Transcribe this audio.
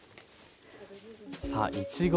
さあいちご